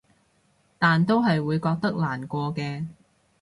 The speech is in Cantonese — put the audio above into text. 但都係會覺得難過嘅